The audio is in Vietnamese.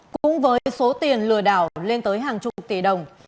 cũng với số tiền lừa đảo lên tới hàng chục tỷ đồng